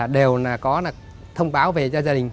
đều có thông báo về gia đình